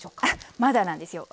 まだなんですよ。